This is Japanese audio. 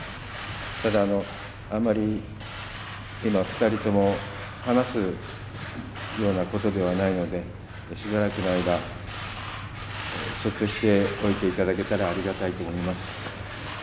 ただ、あんまり、今、２人とも話すようなことではないのでしばらくの間、そっとしておいていただけたらありがたいと思います。